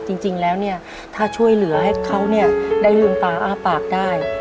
จริงแล้วถ้าช่วยเหลือให้เขาได้ลืมปากอ้าปากได้